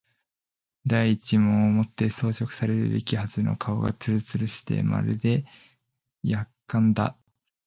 第一毛をもって装飾されるべきはずの顔がつるつるしてまるで薬缶だ